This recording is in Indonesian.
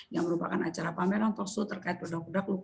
yang merupakan acara pameran toksur terkait produk produk lokal sulawesi